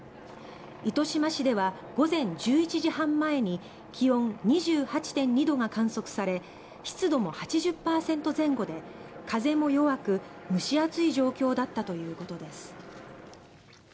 糸島市では午前１１時半前に気温２８．２度が観測され湿度も８０％前後で風も弱く蒸し暑い状況だったということです。